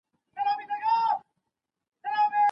هغوی د مهر او واده لپاره مالي امادګي نلري.